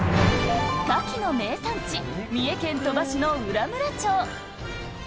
カキの名産地、三重県鳥羽市の浦村町。